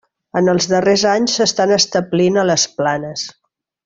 En els darrers anys s'estan establint a les planes.